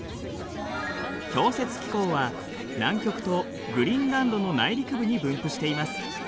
氷雪気候は南極とグリーンランドの内陸部に分布しています。